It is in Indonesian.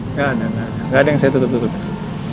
nggak ada nggak ada yang saya tutup tutupan